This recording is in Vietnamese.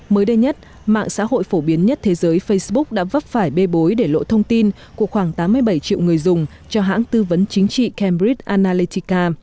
mới đây nhất mạng xã hội phổ biến nhất thế giới facebook đã vấp phải bê bối để lộ thông tin của khoảng tám mươi bảy triệu người dùng cho hãng tư vấn chính trị cambridg analletica